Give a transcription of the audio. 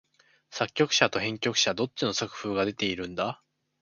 作曲者と編曲者、どっちの作風が出てるんだ？